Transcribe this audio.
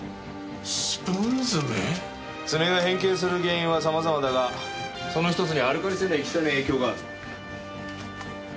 爪が変形する原因は様々だがその１つにアルカリ性の液体の影響がある。